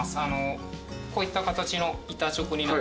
こういった形の板チョコになってる形ですね。